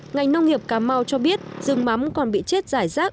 ngành nông nghiệp cà mau cho biết rừng mắm còn bị chết giải rác